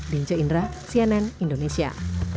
binja indra cnn indonesia